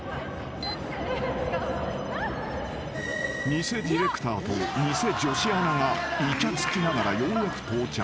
［偽ディレクターと偽女子アナがいちゃつきながらようやく到着］